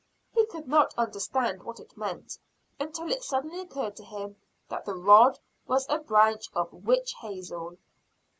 He could not understand what it meant, until it suddenly occurred to him that the rod was a branch of witch hazel!